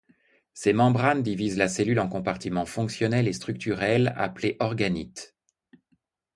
Ces membranes divisent la cellule en compartiments fonctionnels et structurels appelés organites.